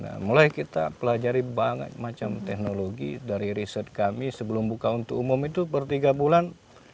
nah mulai kita pelajari banget macam teknologi dari riset kami sebelum buka untuk umum itu bertiga bulan